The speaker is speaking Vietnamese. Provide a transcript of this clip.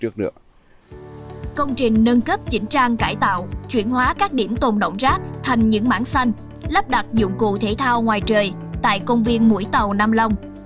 công trình nâng cấp chỉnh trang cải tạo chuyển hóa các điểm tồn động rác thành những mảng xanh lắp đặt dụng cụ thể thao ngoài trời tại công viên mũi tàu nam long